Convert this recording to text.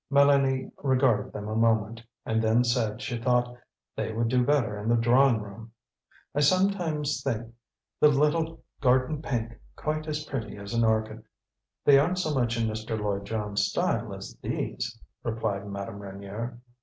Mélanie regarded them a moment, and then said she thought they would do better in the drawing room. "I sometimes think the little garden pink quite as pretty as an orchid." "They aren't so much in Mr. Lloyd Jones' style as these," replied Madame Reynier.